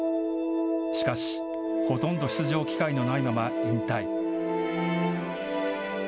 しかしほとんど出場機会のないまま引退。